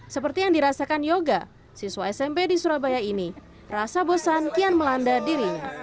seperti yang dirasakan yoga siswa smp di surabaya ini rasa bosan kian melanda dirinya